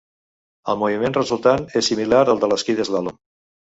El moviment resultant és similar al de l'esquí d'eslàlom.